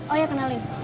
oh iya kenalin